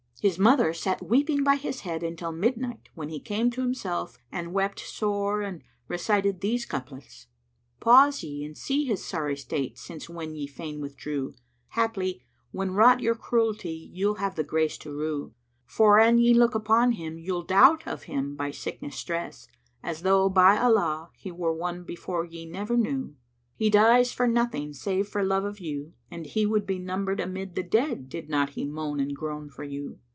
His mother sat weeping by his head until midnight, when he came to himself and wept sore and recited these couplets',[FN#101] "Pause ye and see his sorry state since when ye fain withdrew; * Haply, when wrought your cruelty, you'll have the grace to rue: For an ye look on him, you'll doubt of him by sickness stress * As though, by Allah, he were one before ye never knew. He dies for nothing save for love of you, and he would be * Numbered amid the dead did not he moan and groan for you.